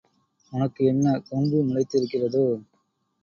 உனக்கு என்ன, கொம்பு முளைத்திருக்கிறதோ?